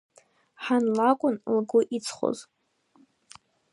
Ҳан лакәын лгәы иҵхоз.